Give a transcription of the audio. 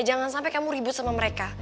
jangan sampai kamu ribut sama mereka